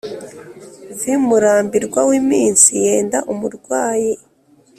vmurambirwa w'iminsi yenda umurwayì